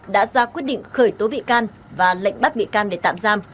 đã ra quyết định khởi tố bị can và lệnh bắt bị can để tạm giam